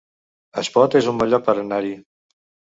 Espot es un bon lloc per anar-hi